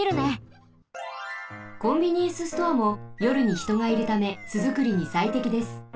コンビニエンスストアもよるにひとがいるため巣づくりにさいてきです。